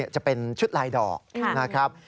จะเป็นชุดลายดอกนะครับ